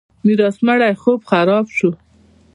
میرات مړی خوب خراب شو.